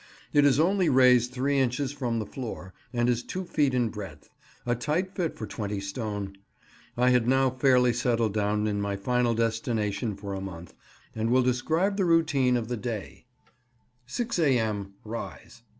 It is only raised three inches from the floor, and is two feet in breadth—a tight fit for twenty stone. I had now fairly settled down in my final destination for a month, and will describe the routine of the day:— 6 A.M. —Rise.